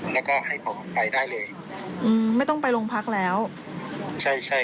แล้วก็ให้ผมไปได้เลย